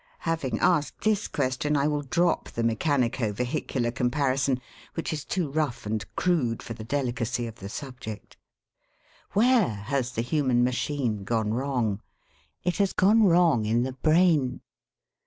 (Having asked this question, I will drop the mechanico vehicular comparison, which is too rough and crude for the delicacy of the subject.) Where has the human machine gone wrong? It has gone wrong in the brain.